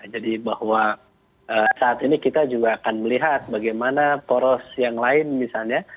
jadi bahwa saat ini kita juga akan melihat bagaimana poros yang lain misalnya